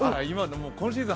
今シーズン